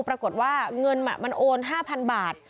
ปรากฏว่าเงินมันโอน๕๐๐๐บาท